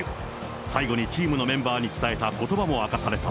最後にチームのメンバーに伝えたことばも明かされた。